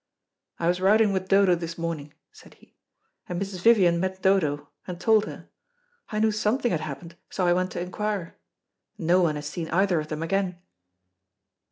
"I was riding with Dodo this morning," said he, "and Mrs. Vivian met Dodo and told her. I knew something had happened, so I went to inquire. No one has seen either of them again."